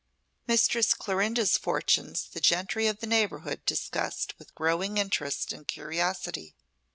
Mistress Clorinda's fortunes the gentry of the neighbourhood discussed with growing interest and curiosity.